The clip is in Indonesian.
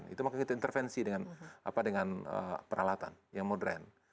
itu maka kita intervensi dengan peralatan yang modern